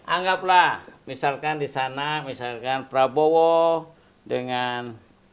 anggaplah misalkan di sana misalkan prabowo dengan